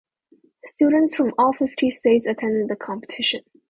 Students from all fifty states attended the competition.